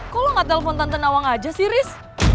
kok lo gak telepon tante nawang aja sih riz